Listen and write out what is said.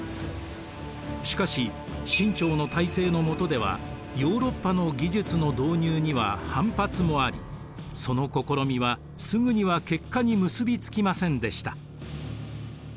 しかし清朝の体制の下ではヨーロッパの技術の導入には反発もありその試みはすぐには結果に結び付きませんでした。